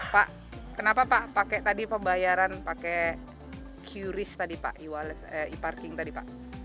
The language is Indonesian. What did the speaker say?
pak kenapa pak pakai tadi pembayaran pakai qris tadi pak e parking tadi pak